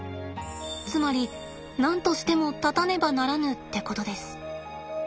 つまり何としても立たねばならぬってことです。